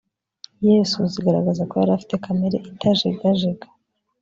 yesu zigaragaza ko yari afite kamere itajegajega